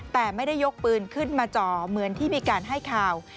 แต่ไม่ได้ยกปืนขึ้นมาจ่อเหมือนที่มีการให้ข่าว